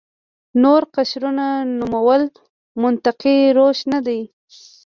نور قشرونو نومول منطقي روش نه دی.